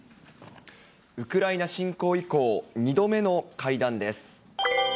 ウクライナ侵攻以降、２度目の会談です。